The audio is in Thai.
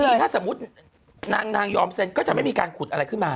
คือถ้าสมมุตินางยอมเซ็นก็จะไม่มีการขุดอะไรขึ้นมา